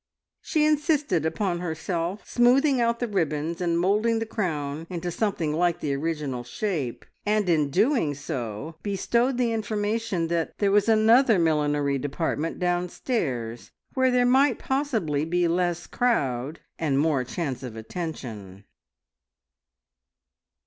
She insisted upon herself smoothing out the ribbons and moulding the crown into something like the original shape, and in doing so bestowed the information that there was another millinery department downstairs, where there might possibly be less crowd and more chance of attention.